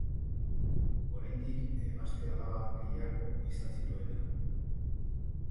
Oraindik emazte-alaba gehiago izan zituena.